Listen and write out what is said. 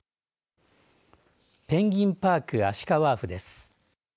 ペンギンパーク＆アシカワーフです。